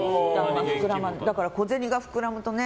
だから小銭が膨らむとね